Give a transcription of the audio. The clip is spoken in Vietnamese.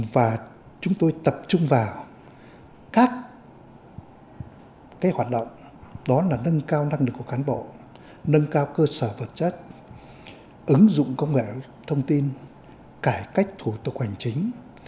và chúng tôi tập trung vào các hoạt động đó là nâng cao năng lực của cán bộ nâng cao cơ sở vật chất ứng dụng công nghệ thông tin cải cách thủ tục hành chính